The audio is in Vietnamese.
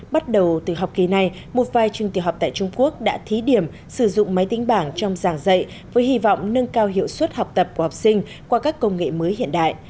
bắt đầu từ học kỳ này một vài trường tiểu học tại trung quốc đã thí điểm sử dụng máy tính bảng trong giảng dạy với hy vọng nâng cao hiệu suất học tập của học sinh qua các công nghệ mới hiện đại